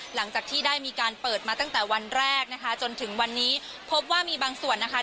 หลังจากที่ได้มีการเปิดมาตั้งแต่วันแรกนะคะจนถึงวันนี้พบว่ามีบางส่วนนะคะ